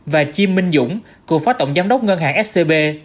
và chi minh dũng cựu phó tổng giám đốc ngân hàng scb